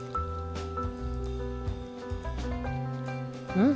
うん！